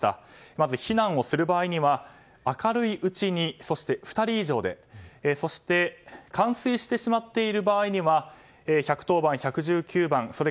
まず避難をする場合には明るいうちにそして、２人以上でそして冠水してしまっている場合には１１０番通報、１１９番通報